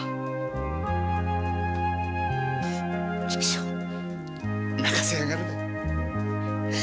畜生泣かせやがる。